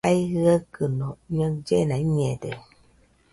Jae jɨaɨkɨno ñaɨllena iñede.